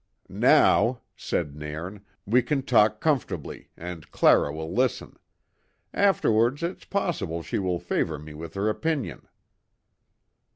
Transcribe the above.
"Now," said Nairn, "we can talk comfortably, and Clara will listen. Afterwards it's possible she will favour me with her opinion."